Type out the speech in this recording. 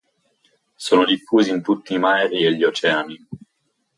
Sono diffusi in tutti i mari e gli oceani.